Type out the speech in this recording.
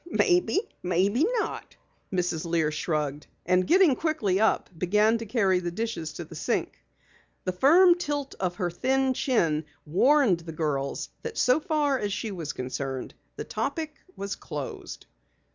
"Maybe, maybe not." Mrs. Lear shrugged, and getting quickly up, began to carry the dishes to the sink. The firm tilt of her thin chin warned the girls that so far as she was concerned, the topic was closed.